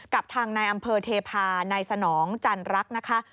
กับทางนายอำเภอเทพานายสนองจันรักนะคะ